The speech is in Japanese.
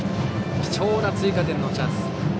貴重な追加点のチャンス。